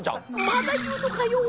まだ言うのかよ。